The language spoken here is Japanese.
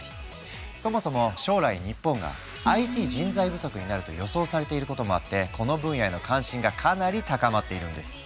そもそも将来日本がＩＴ人材不足になると予想されていることもあってこの分野への関心がかなり高まっているんです。